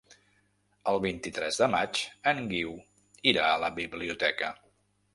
El vint-i-tres de maig en Guiu irà a la biblioteca.